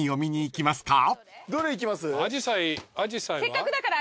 せっかくだから。